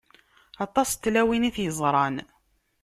Aṭas n tlawin i t-yeẓṛan.